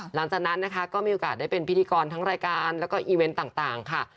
หลังจากนั้นนะคะก็มีโอกาสได้เป็นพิธีกรทั้งรายการแล้วก็อีเวนต์ต่างค่ะ